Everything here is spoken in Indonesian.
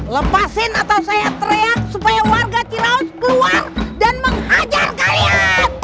lepasin atau saya teriak supaya warga ciraus keluar dan menghajar saya